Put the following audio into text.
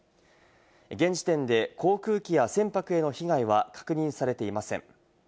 現時点で航空機や船舶への被害は確認されていません。